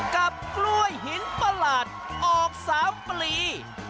กับกล้วยหินประหลาดออก๓ปลี